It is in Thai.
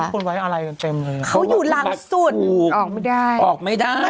คนไว้อะไรกันเต็มเลยเขาอยู่หลังสุดออกไม่ได้ออกไม่ได้